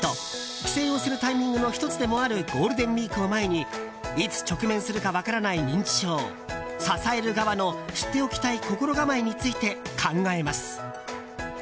帰省をするタイミングの１つでもあるゴールデンウィークを前にいつ直面するか分からない認知症支える側の知っておきたい心構えについて考えます。